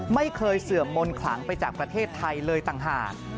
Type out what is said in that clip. เสื่อมมนต์ขลังไปจากประเทศไทยเลยต่างหาก